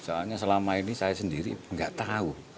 soalnya selama ini saya sendiri nggak tahu